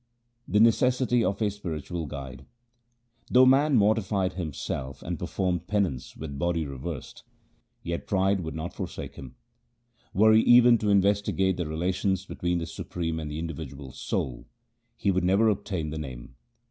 The necessity of a spiritual guide :— Though man mortified himself and performed penance with body reversed, yet pride would not forsake him. Were he even to investigate the relation between the supreme and the individual soul, he would never obtain the Name.